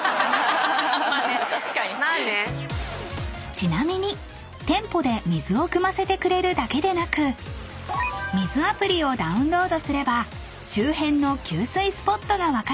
［ちなみに店舗で水をくませてくれるだけでなく水アプリをダウンロードすれば周辺の給水スポットが分かるんです］